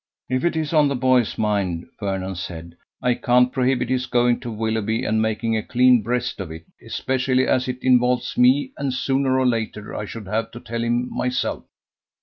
"If it's on the boy's mind," Vernon said, "I can't prohibit his going to Willoughby and making a clean breast of it, especially as it involves me, and sooner or later I should have to tell him myself."